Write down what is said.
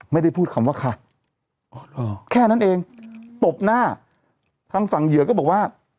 ไม่ได้พูดคำว่าค่ะแค่นั้นเองตบหน้าทางฝั่งเหยื่อก็บอกว่า